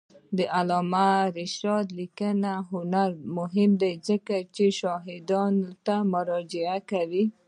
د علامه رشاد لیکنی هنر مهم دی ځکه چې شاهدانو ته مراجعه کوي.